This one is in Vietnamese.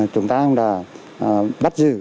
chúng ta cũng đã bắt dự